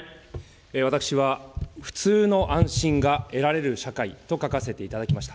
私は、普通の安心が得られる社会と書かせていただきました。